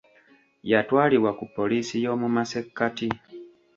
Yatwalibwa ku poliisi y'omu masekkati.